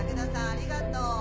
ありがとう。